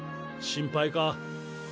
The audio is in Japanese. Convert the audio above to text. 心配か？